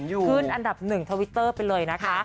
ขึ้นอันดับหนึ่งทวิตเตอร์ไปเลยนะคะ